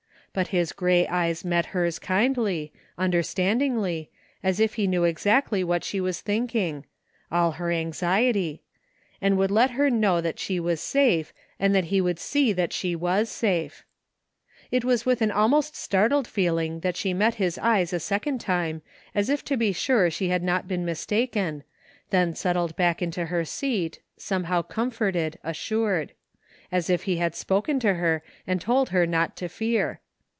But his gray eyes met hers kindly, understand ingly, as if he knew exactly what she was thinking — all her anxiety — ^and would let her know that she was safe, that he would see that she was safe ! It was with an almost startled feeling that she met his eyes a second time as if to be sure she had not been mistaken, and then settled back into her seat, somehow comforted, assured ; as if he had spoken to her and told her not to fear.